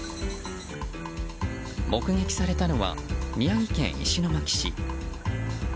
目撃されたのは宮城県石巻市。